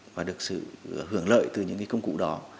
và được sự hưởng lợi từ những công cụ đó